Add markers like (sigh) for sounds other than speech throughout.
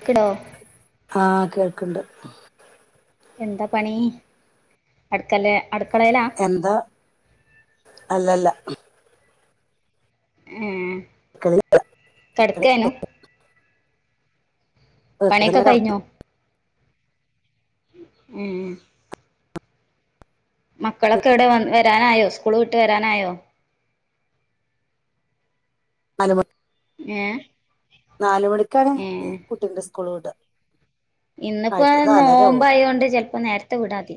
ക്കിടോ ആഹ കേൾക്കണ്ട് എന്താ പണി അടുക്കല അടുക്കളയിലാ എന്താ അല്ലല്ല ആഹ ഇ പണിയൊക്കെ ഇങ്ങനെ കടന്നു കഴിഞ്ഞോ ഉം മക്കളൊക്കെ എവിടെ വ വരാനായോ സ്കൂള് വിട്ട് വരാനായോ നണ ഏഹ് നാലുമണിക്കാണ് ഏഹ് കുട്ടിുടെ കോളോട്് ഇന്നിപ്പോ നോമ്പോ ആയൊണ്ട് ചിലപ്പോ നേരത്തെ വിടാതി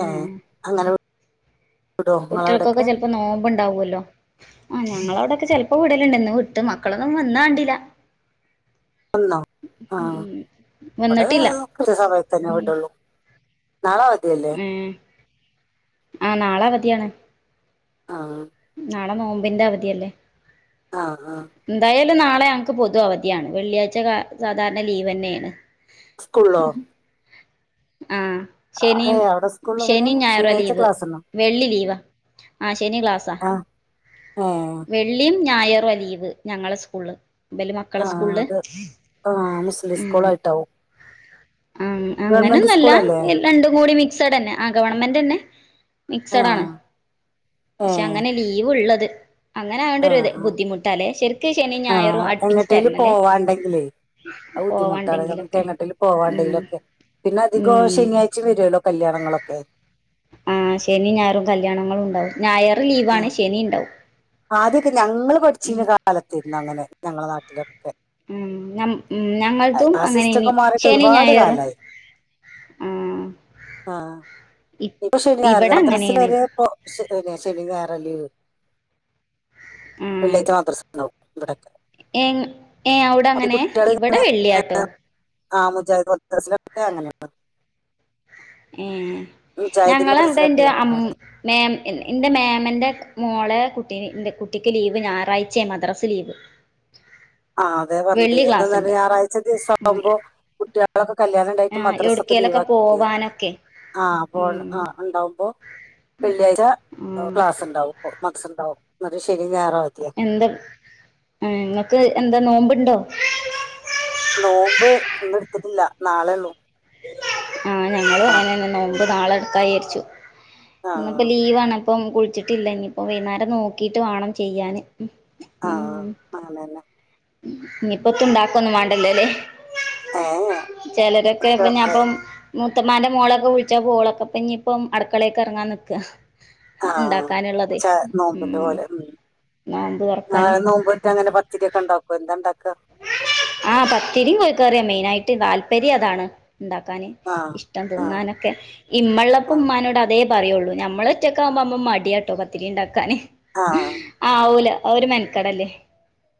ആഹ ഉം അങ്ങനെ വിടുവോ കുട്ടികൾക്കൊക്കെ നിങ്ങളവിടൊക്കെ ചെിലപ്പോ നോമ്പുണ്ടാവല്ലോ ആഹ ഞങ്ങള അവിടൊക്കെ ചെിലപ്പോ വിടലിണ്ടന്ന് വിട്ട് മക്കളൊന്നും വന്ന കണ്ടില്ല ഒന്നോ ആഹ ഉം ഇവിടെ വന്നിട്ടില്ല സമയത്ത്ന്നെ ഇീടുള്ളൂ ഉ ആഹ നാളെ അവധയാണ് ആഹ നോമ്പിന്റെ അവധിിയല്ലേ ആഹ ആഹ നാളെ ഞങ്ങക്ക് പൊതു അവധിയാണ് വെള്ളിയാഴ്ച സാധാരണ ലീവ് തന്നെയാണ് സ്കൂളോ ആ ശനിയും അവിടെ സ്കൂളിൽ അങ്ങനെ ശനിയും ഞായറ ശനിയാഴ്ച ലീവ് ക്ലാസ് ഉണ്ടോ വെള്ളി ലീവാ ആഹ ശനി ക്ലാസാ ആഹ ഞായർവ ലീവ് ഞങ്ങളെ സ്കൂളില് ബലി മക്കളെ ആ സ്കൂള് അത് ആ മുസ്ലിം ഉ സ്കൂളായിട്ടാവും ആ ഗവൺമെന്റ് അങ്ങനൊന്നുമല്ല സ്കൂളല്ലേ രണ്ടും കൂടി മിക്സഡ് തന്നെ ആ ഗവൺമെന്റ് തന്നെ ആ മിക്സഡണ് പക്ഷെ അങ്ങനെ ലീവ് ഉള്ളത് അങ്ങനെ ആയോണ്ട് ഒരു ആഹ ഇത് ബുദ്ധിമുട്ടാല്ലേ ശരിക്ക് ശനിയും ആ ഞായറും ആഹ അടുപ്പിച്ച് എങ്ങട്ടേയില് തരണല്ലേ പോവാണ്ടെങ്കിലേ ആ ബുദ്ധിമുട്ടാണ് നമുക്ക് പോവാണ്ടെങ്കിലൊക്കെ എങ്ങോട്ടിൽ ഉം പോവാണ്ടെങ്കിലൊക്കെ പിന്നെ അധികം ഉം ശനിയാഴ്ച വരുല്ലോ കല്യാണങ്ങളൊക്കെ ആ ശനി ഞായറും കല്യാണങ്ങളും ഉണ്ടാവും ഞായർറ് ലീവാണ് ശനി ഉണ്ടാവും ആദ്യമൊക്കെ ഞങ്ങള്ൾ പഠിച്ചി കാലത്ത്രുന്നു അങ്ങനെ ഞങ്ങളെ നാട്ടില ഉം നം ഉം ഞങ്ങളതും ആ സിസ്റ്റ അങ്ങനെനി ഒക്കെ മാറിട്ട് ശനി ഒരുപാട് ഞായറും കാലായി ആ ആഹ ഇ ഇപ്പൊ ശ ഇവിടെ മദ്രസൽ അങ്ങനെയാണ് വരെ ശന ായര ലീവ് ആ വള്ളേക്ക് മാത്രം ഇവിട ഏ ഏ അവിടെ അങ്ങനെ ഇവിടെ ഇങ്ങനെ വെള്ളിയാട്ടോ ആ മുജാ കൊത്തസിലൊക്കെ അങ്ങനെയള്ള എഞങ്ങ ൾഅവിടെ എന്റ അമോ മോമ എന്റെ മേമന്റെ മോളെ കുട്ടി കുട്ടിക്ക് ലീവ് ഞായറാഴ്ചയ മദ്രാസ ലീവ് ആഹ് അതെ പറഞ്ഞത് വെള്ളി എന്താെന്ന ക്ലാസ്ണ്ട് ഞായറാഴ്ച ദിവസം ആവുമ്പോ കുട്ടികളൊ കല്യാണണം ആ ഉണ്ടായിട്ട് മദ്രാസ ഒക്കെ ലീവ് എവിടക്കേലൊക്കെ ആക്കിട്ടേ പോവാനൊക്കെ ആഹ് പോ ഉം ആ ഉണ്ടാവകുമ്പോ വെള്ളിയാഴ്ച ഉം ക്ലാസ് ഉണ്ടാവും മദ്രസണ്ടാവും എന്നിട്ട്ശനി എന്താ ആ നിങ്ങക്ക് എന്താ നോമ്പ് ഉണ്ടോ നോമ്പ് ഇന്ന് ഇടുത്തിട്ടില്ല നാളെ ഉള്ളൂ ആഹ ഞങ്ങള് എടുക്കണം അങ്ങനെ നോമ്പ്നാളെ എടുക്കാ വിചരിച്ചു ആ ഇന്നിപ്പോ ലീവ്ആണ് ഇപ്പം കുളിച്ചിട്ടില്ല ഇനിയിപ്പ വൈകുന്നേരം നോക്കിയിട്ട് വേണം ചെയ്യാൻ ആഹ അണല്ലേ ഇനിപ്പ ഇത്ത ഇണ്ടാക്ക ഒന്നും വേണ്ടല്ലോ അല്ലേ ഏ ചിലരൊക്കെ ഒക്കെ പിന്നെ അപ്പോ ആയി മൂത്തമാന്റെ മോളൊക്കെ വിളിച്ചാ പോളൊക്കെ ഇഞ്ഇപ്പം അടുക്കളയൊക്ക് ഇറങ്ങാൻ നിൽക്കുക ആഹ ച ഉം നോമ്പിന്റെ പോലെ ഉ നോമ്പ് തുറക്കാന് നളെ നോമ്പ്നോറ്റഅങ്ങനെ പത്തിരി ഒക്കെ ഉണ്ടാക്കും എന്താ ഉണ്ടാക്ക ആഹ് പത്തിരിയും കോഴിക്കറിയ മെയിന ആയിട്ട് താല്പര്യ അതാണ് ഇണ്ടാക്കാന് ആ ഇഷ്ടം ആ തിന്നാനൊക്കെ ഇമ്മള്ളപ്പ ആ ഉമാനോട് അതേ പറയുള്ളൂ ഞമ്മള ഒറ്റക്കെ ആവുമ്പോ മടിയാട്ടോ പത്തിരി ഉണ്ടാക്കാാന് ആവൂല ഒരു മനക്കടല്ലേ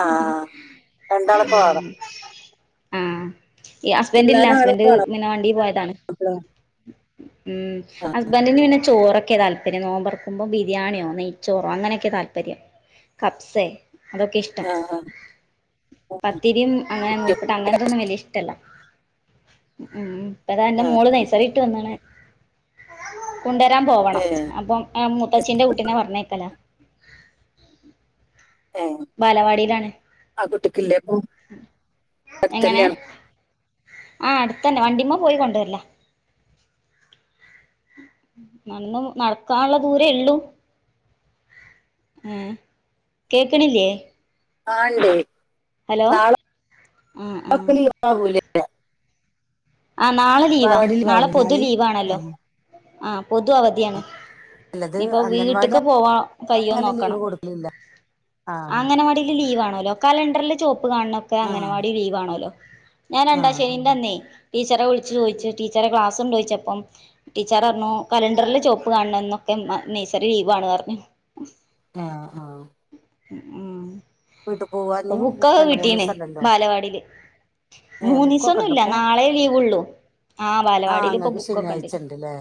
ആ ആ രണ്ടാളൊക്കെ വേണം ആഹ ഈ ഹസ്ബന്റ്ഇല്ല തിന്നാൻ ആള് ഹസ്ബൻന്റ വേണം പിന്നെ വണ്ടി പോയതാണ് അപ്പള് ഉം ആ ഹസ്ബൻന്റ്ന് പിന്നെ ചോറൊക്കെ ചോറ്ഒക്കെ താല്പര്യം നോമ്പ് തുറക്കുമ്പോ ബിരിയാണിയോ നെയ്ച്ചോറോ അങ്ങനെയൊക്കെ താല്പര്യം കബ്സോ ഒക്കെ അതൊക്കെ ഇഷ്ടം ആ ആ ഉം. പത്തിരിയും അങ്ങനെ നുൽ പുട്ട് അങ്ങനത്തെൊന്നും വലിയ ഇഷ്ടല്ല ഉ അപ്പ അത എൻന്റെ ആ മോള് നൈസറിയിട്ട് വന്നണ് കൊണ്ടുവരാൻ ഏ പോവണം അപ്പം മുത്തച്ചിന്റെ കൂട്ടീനെ പറഞ്ഞേക്കല ഏ ബാലവാടിയിലാണ് ആ കുട്ടിക്കില്ലേ ഇപ്പൊ അടുത്ത് എങ്ങനെ തന്നെയാണ് ആഹ അടുത്തന്നെ വണ്ടിമ്മ പോയി കൊണ്ടുവരില്ല നടന്ന നടക്കാനുള്ള ദൂരേ ഉള്ളു ആഏ കേക്കണില്ലയേ ആഇണ്ട് നാളെ ആ ആ ഒക്കെ ലീവ് ആവുലെ ആ നാളെ ലീവാ നാളെ പൊതു ലീവാണല്ലോ (unintelligible) ആ പൊതു അവധിയാണ് അല്ലത് ഇപ്പൊ അംഗൻവാടി വീട്ക്ക് പോവാ കയ്യോ അങ്ങനെ ലീവ് നോക്കണം കൊടുക്കലില്ല ആ അംഗനവാടിൽ ലീവ് ആണോല്ലോ കലണ്ടറിൽ ചുവപ്പ് കാണണൊക്കെ ആ അംഗനവാടി ലീവ് ആണോല്ലോ ഞാൻ ആ രണ്ടാ ശനി അന്നേ ടീച്ചറെ വിളിച്ചു ചോദു ടീച്ചറെ ക്ലാസ് ഉണ്ട ചോദിച്ചപ്പം ടീച്ചർ പറഞ്ഞു കലണ്ടറിൽ ചുവപ്പ് കാണ എന്നൊക്കെ നഴ്സറി ലീവാണ് എന്ന് പറഞ്ഞു (inaudible) ആഹ ആഹ ഉം അ രണ്ട് മൂന്ന് ബുക്ക്ക്കൈകിട്ടീണേ ദിവസം ഉണ്ടല്ലോ ബാലവാടിയില് ഏ മൂന്ന് ദിവസം ബുക്കൊക്കെ ഒന്നുല്ല ഉണ്ടപ്പോ നാളെ ലീവ് ഉള്ളു ആ ബാലവാടീല് പ്പം അങ്ങക്ക് ബുക്കൊക്കെണ്ട് ശനിയാഴ്ച ഉണ്ട് അല്ലേ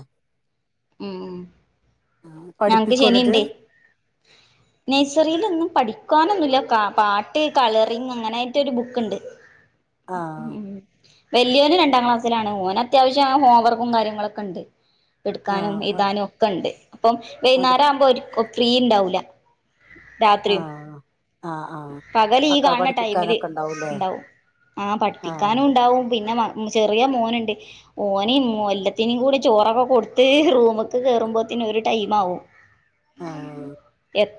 ഞങ്ങക്ക് പഠിപ്പിക്കും എന്നിട്ട് ശനിണ്ടേ നഴ്സറിൽ ഒന്നും പഠി കാനൊന്നുല്ല പാട്ട് കളറിങ്ങ് അങ്ങനെയായിട്ട് ഒരു ബുക്ക് ഉണ്ട് ആ ഉം വലിയ ഓനും രണ്ടാം ക്ലാസ്സിലാണ് ഓന് അത്യാവശ്യം ഹോംവർക്കും കാര്യങ്ങളൊക്കെ ഉണ്ട് ആ എടുക്കാനും ആ, എഴുതാനും ഒക്കെ ഉണ്ട് ഇപ്പം അത് വൈകുന്നേരം ആവുമ്പോ ഒരു ഫ്രീ ഉണ്ടാവൂല രാത്രിയും ആഹ പകല് ഈ കാണ് ണ ഉണ്ടാവൂലേ ടൈമിൽഇണ്ടാവും ആഹ ആ പഠിക്കാനും ഉണ്ടാവും പിന്നെ മദ്ര ചെറിയ മോനുണ്ട് ഓന്ല്ലത്തിനും കൂടി ചോറൊക്കെ കൊടുത്ത് റൂമൊക്കെ കേയറുമ്പോത്തിന് ത്തി ഒരു ടൈം ആവും ആ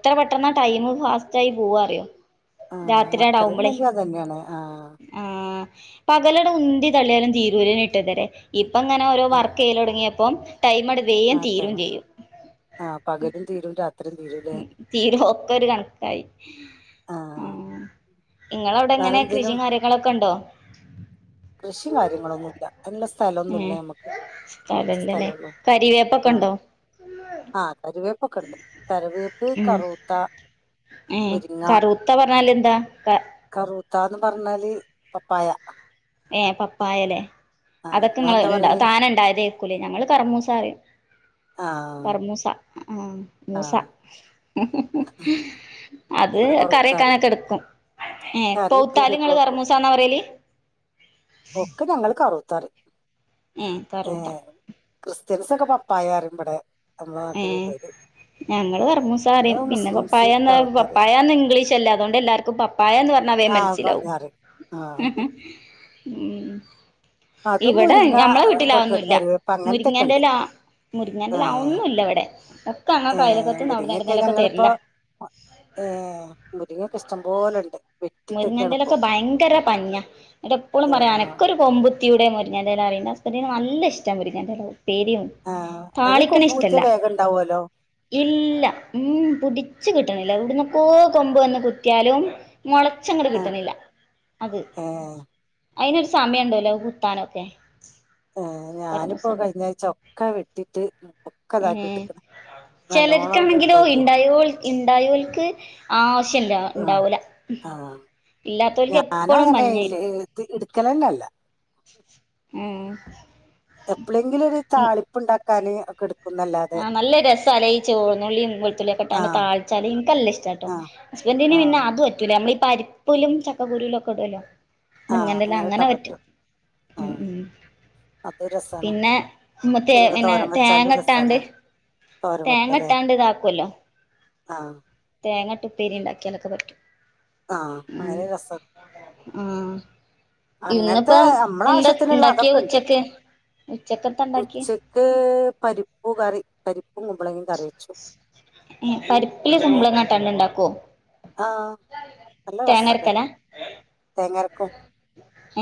എത്ര പെട്ടെന്ന് ടൈം ഫാസ്റ്റ് ആയി പോകറിയോ ആ രാത്രിയട ആവുമ്പോളേ മക്കളുണ്ടെങ്കിൽ അതന്നെയാണ് ആ ആഹ പകലട ഉന്തി തള്ളിയാലും തീരൂലയ്‌ നി ഇട്ട് തരെ ഇപ്പ ഇങ്ങനെ ഓരോ ആ വർക്ക് ചെയയ്യിൽ തുടങ്ങിയപ്പം ടൈം അങ്ങട്ട് വേഗം തീരുകയും ചെയ്യും ആഹ പകലും തീരും രാത്രി ഉ തീരൊക്ക ഒരു കണക്കായി ആഹ് ആഹ നിങ്ങ അവിടെ എങ്ങനെ വേറെന്തേലും കൃഷിയും കാര്യങ്ങളൊക്കെ ഉണ്ടോ കൃഷി കാര്യങ്ങളൊന്നു ഇല്ല നുള്ള സ്ഥലം ഒന്നുമല്ല ഏഹ് നമ്മുക്ക് കുറച്ച് സ്ഥലല്ലല്ലേ സ്ഥലള്ളൂ കരിവേപ്പൊക്കെ ആഹ ഉണ്ടോ ആഹ് കറിവേപ്പൊക്കെ ഉണ്ട് കറിവേപ്പ് കറൂത്ത ഏ കറുത്ത പറഞ്ഞാല് എന്താ കറുത്തന്ന് പറഞ്ഞാല് പപ്പായ ഏ പപ്പായല്ലേ ആഹ് അതൊക്കെ നിങ്ങളെന്താ നിങ്ങണ്ട പറയല് താന ഉണ്ടായത കേക്കൂല ഞങ്ങള് കർമൂസ അറിയും ആഹ് കർമൂസ ആഹ മൂസ ആഹ് അ അത് ഇവിടെ കറി കറൂത്താറിം വെക്കാനക്കെ എടുക്കും ഏ കറി പൗത്താലിങ്ങൾ ഉപ്പേരിയൊക്കെ വെക്കും കർമൂസാന്നാ പറയല് ഒക്കെ ഞങ്ങൾ കറൂത്താറി ഏ കറൂത്ത ക്രിസ്ത്യൻസ് ഒക്കെ പപ്പായറിയും ഇവിടെ നമ്മട്ട ഏ നാട്ടിൽ പ്പെടും ഞങ്ങള് കറുമൂസ എന്ന് പറഞ്ഞു പിന്നെ പപ്പായന്ന കറൂത്താറിം പപ്പായന്നന്ന് ഇംഗ്ലീഷ്ല്ലേ അതുകൊണ്ട് എല്ലാർക്കും പപ്പായന്ന് പറഞ്ഞു അതേ ആഹ് മനസിലാവും പറഞ്ഞാറിം ആഹ് ഉ അതും ഇവിടെ മുരിങ്ങ ഞമ്മളെ വീട്ടില് ഇതൊക്കെ അതേന്നു ഇല്ല കറിവേപ്പ് അങ്ങനത്തൊക്കെ മുരിങ്ങേന്റെ ഉണ്ട് ഇല മുരിങ്ങേന്റെ ഇല അതാന്നുല്ല ഇവിടെ ഒക്കെ ഏ ഞങ്ങക്ക് അയൽവക്കത്ത്ന്ന് അവിടുന്ന് മുരിങ്ങൊക്കെ എവിടുന്നേലൊക്കെ ഞങ്ങളിപ്പോ തരലാ ഏ മുരിങ്ങക്കെ ഇഷ്ട ഇഷ്ടം പോലെണ്ട് വെട്ടിട്ടക്കാണിപ്പോ മുരിങ്ങന്റെലക്ക് ഭയങ്കര പഞ്ഞ എന്നിട്ട എപ്പോഴും പറയാ ആഹ് അനൊക്കെ ഒരു കൊമ്പ കുത്തിയൂടെയും മുരുങ്ങന്റെ ഇല എന്റെ അസ്ബന്റിന് നല്ല ഇഷ്ടം മുരുങ്ങന്റെ ഇല പേരിയും ആഹ് അതൊരു തളിക്കണോ കൊമ്പ് ഇഷ്ടം കുത്തിയ ഇല്ല വേഗം ഉണ്ടാവുല്ലോ ഇല്ല ഉം പുടിച്ച് കിട്ട കട്ടണില്ല ഇവിട്ന്നോക്കെ കൊമ്പ് വന്ന് കുത്തിയാലും മുളച്ചങ്ങട്ട് ആഹ് കിട്ടണില്ല അത് ഏഹ് അതിനൊരു സമയം ഉണ്ടല്ലോ കുത്താനൊക്കെ ഏ ഞാനിപ്പോ കർമൂസന് കഴിഞ്ഞആഴ്ച ഒക്കെ വെട്ടിട്ട് ഒക്ക ഇതാക്കിട്ട്ക്ക ചിലർക്കാണെങ്കിലോ ഉണ്ടായോ ഉണ്ടായോൽക്ക് ആവശ്യല്ല ഉണ്ടാവൂല ആഹ ഞൻ അങ്ങനെ പഞ്ഞായിരിക്കും എടുക്കല് അല്ലോ ഇല്ല ഉം എപ്പോഴെങ്കിലും ഒരു താളിപ്പ് ഉണ്ടാക്കാാന് ഒക്കെ എടു ആഹ നല്ല രസാല ചോന്നുള്ളിയും വെളത്തുള്ളിയൊക്കെ ഇട്ടാണ്ട് ആഹ് താഴിച്ചാല് എനക്ക്ല്ല ഇഷ്ടട്ടോ ആഹ് ഹസ്ബൻ ഇന് പിന്നെ ആഹ് അത് പറ്റൂല നമ്മളിപ്പ പരിപ്പലും ചക്കുരുലും ഒക്കെ ഇടുല്ലോ മുൻകണ്ടല്ല അങ്ങനെ പറ്റും ഉ ആഹ് ഉ അത് രസാണ് പിന്നെ മുരിങ്ങ പിന്നെ തോരൻ തേങ്ങ വെച്ചാലും ഇട്ടാണ്ട് രസാണ് തോരൻ തേങ്ങ ഇട്ടാണ്ട് ഇതാക്കല്ലോ ആഹ തേങ്ങാട്ടുപ്പേരി ഉണ്ടാക്കിയാലൊക്കെ പറ്റും ആഹ അങ്ങനെ രസം ആ ഇന്നിപ്പ അങ്ങനത്തെ നമ്മളെ എന്താ ആവശ്യത്തിനുള്ള ഉണ്ടാക്കിയാ അതൊക്കെ ഉണ്ട് ഉച്ചക്ക് ഉച്ചക്കത്ത ഉണ്ടാക്കി പരിപ്പുകറി പരിപ്പും കുമ്പ്ളങ്ങിം കറി വച്ചു ഏ പര്പ്പ്ല് കുമ്പ്ളങ്ങട്ടാണ്ട്ണ്ടാക്കോ ആഹ് നല്ല റസ കറി തേങ്ങരക്കും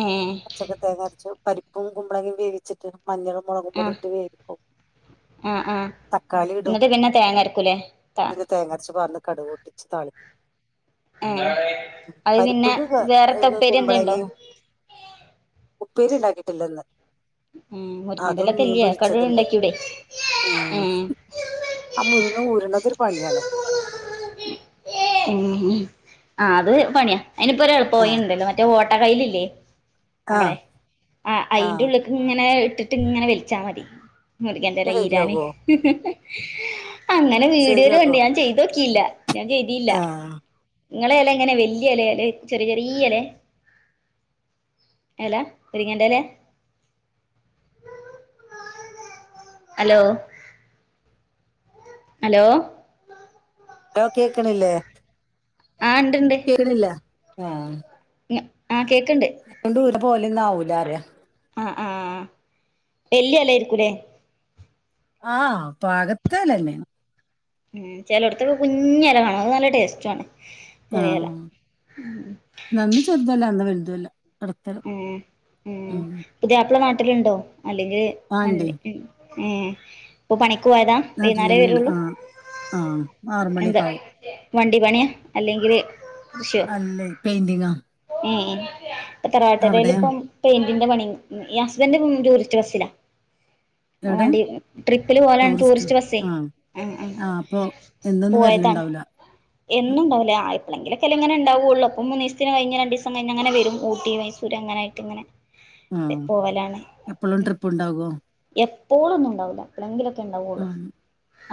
ഏ പച്ചക്ക് തേങ്ങരച്ചു പരിപ്പും കുമ്പ്ളങ്ങിം വേവിച്ചിട്ട് മഞ്ഞളും മുളകും ആഹ് പൊടിയിട്ട് വേവിക്കും ആഹ് ആഹ് തക്കാളി ഇടും എന്നിട്ട് പിന്നെ തേങ്ങ അരക്കൂലേ ത പിന്നെ തേങ്ങരച് പാർന്ന് കട്വൊട്ടിച്ച് താളി ഏഹ് അത് പിന്നെ പരിപ്പ്ക് ക വേറെത്തെ ക് ഉപ്പേരി എന്തേ ഉണ്ടോ കുമ്പ്ളങ്ങിം ഉപ്പേരി ണ്ടാക്കിട്ടില്ലന്ന് ഉം അതും മുരിങ്ങന്റെലൊക്കെ മീൻ ഇല്ലേ കടു പൊരിച്ചത്ണ്ട് ഉണ്ടാക്കിയൂടെ മ് ഉം ആ മുരിങ്ങ ഊരണതൊരു പണിയാണ് (unintelligible) ആ അത് പണിയ ആഹ് അയിനിപ്പൊരെളൾപ്പവയിണ്ടല്ലോ മറ്റേ ഓട്ട കയ്ല് ല്ലേ നമ്മളെ ആഹ് ആ അയിന്റെ ആഹ് ഉള്ള്ക്ക്ങ്ങനെ ഇട്ടിട്ട് ങ്ങനെ വൽച്ചാ മതി മുര്ങ്ങന്റെല ഈരാന് ശരിയാകുവോ അങ്ങനെ വീഡിയോല് കണ്ട് ശരിയാക്കോ ഞാൻ ചെയ്തോക്കീല്ല ഞാൻ ചെയ്തീല്ല ആഹ് നിങ്ങളെ എലങ്ങനെ വലിയെലെ അല്ലെ ചെറിയ ചെറിയലെ എല മുര്ങ്ങന്റെലെ ഹലോ ഹലോ ലോ കേക്കണില്ലേ ആ ഇണ്ട്ണ്ട് കേക്ക്ണില്ല ആ ആ കേ (unintelligible) പോലെന്നാവൂലറ ആ ആ വെല്ല്യ എലേര്ക്കുലേ ആ പാകത്തലന്നെ മ് ചെലൊട്ത്തൊക്കെ കുഞ്ഞല കാണും അത് നല്ല ടേസ്റ്റ് ആണ് ചെറിയേല ആഹ് നന്ന് ചെറുതല്ല അന്ന് വലുതുമല്ല ഇടത്തരം മ് മ് ഉം പുതിയാപ്പള നാട്ടില്ണ്ടോ അല്ലെങ്കില് (unintelligible) ആണ്ടേ ഉം പ്പ പണി ക്ക് പോയതാ നാട്ടിൽ വൈന്നേരേ തന്നെയാണ് വരുള്ളൂ ആഹ് ആഹ് ആറ് എന്ത മണിയൊക്കെ ആവും വണ്ടി പണിയ അല്ലെങ്കില് കൃഷിയോ അല്ലെ പെയിന്റിങ്ങ പ്പ തറവാട്ടെരേല് പ്പം പെയിന്റിന്റെ പണി ഹസ്ബന്റ്പ്പൊ ടൂറിറ്റ് ബസില ഓ എവിടെ വണ്ടി ട്രിപ്പില് പോലാണ് ടൂറിസ്റ്റ് ബസ്സേ ആ അ ആഹ് അപ്പൊ എന്നൊന്നും പോയതാണ് വരലുണ്ടാവൂല എന്നുംണ്ടാവുല ആയപ്പഴളെങ്കിലൊക്കെങ്ങെനെണ്ടാവൊള്ളൂ അപ്പ മൂന്നീസത്തിന് കയ്ഞ്ഞ രണ്ടിസം കഴിഞ്ഞങ്ങനെ വരും ഊ ട്ടി മൈസൂര് അങ്ങനൊയിട്ട്ങ്ങനെ ആഹ് പോവലാണ് എപ്പഴും ട്രിപ്പ് ഉണ്ടാവോ എ പോളൊന്നും ഉണ്ടാവുല പ്പളെങ്കിലൊക്കെണ്ടാവുള്ളു ആഹ്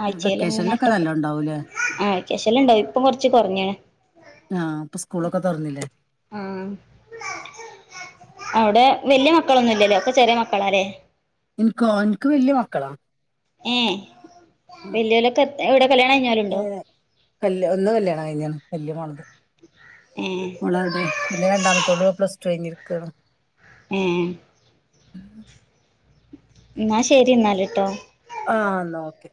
ആഴ്ചയിലും വെക്കേഷനിലൊക്കെ മൂന്നാട്ടൊക്കെ നല്ലോം ഉണ്ടാവൂലേ ആഴ്ച്ചശല്ലണ്ടാവും ഇപ്പൊ കൊറച്ച് കൊറ്ഞ്ഞ്ണ് ആ പ്പൊ സ്കൂളൊക്കെ തൊർന്നിലെ ആ അവിടെ വല്ല്യ മക്കളൊന്നുല്ലല്ലേ ഒക്കെ ചെറിയ മക്കളാലെ ൻക്കോ ൻക്ക് വല്ല്യ മക്കളാ ഏ വെല്ല്യോലൊക്കെ എത് എവ്ടെ ഏ കല് ഒന്ന് കല്യാണം കഴിഞ്ഞാണ് വല്ല്യ മോൾത് ഏ ഓളടെ പിന്നെ രണ്ടാമത്തോള് പ്ലസ്ടു കൈഞ്ഞിരിക്കണ് ഏ ന്നാ ശരി ന്നാല്ട്ടോ ആ ന്നാ ഓക്കെ